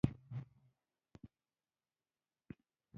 قلم د بدلون کلۍ ده